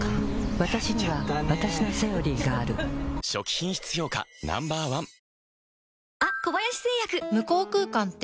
わたしにはわたしの「セオリー」がある初期品質評価Ｎｏ．１ハァ。